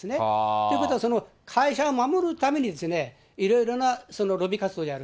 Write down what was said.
ということは会社を守るために、いろいろなロビー活動をやる。